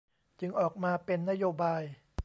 จึงออกมาเป็นนโยบาย